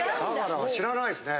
だから知らないですね。